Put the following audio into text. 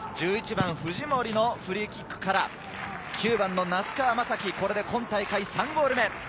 １１番・藤森のフリーキックから９番の名須川真光、これで今大会３ゴール目。